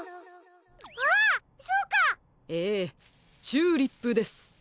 チューリップです。